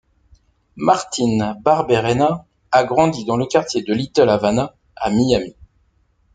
Martine Barberena a grandi dans le quartier de Little Havana à Miami.